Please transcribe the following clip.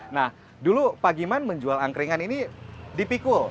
nah dulu pak giman menjual angkringan ini di pikul